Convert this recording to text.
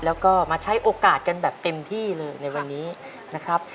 แล้วก็มาใช้โอกาสกันแบบเต็มที่เลยในวันนี้นะครับ